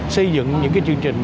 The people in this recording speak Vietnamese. xây dựng những cái chương trình